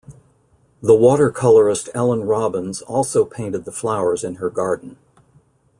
The watercolorist Ellen Robbins also painted the flowers in her garden.